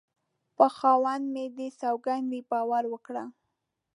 په خاوند مې دې سوگند وي باور وکړه